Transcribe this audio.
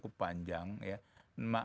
yang panjang ya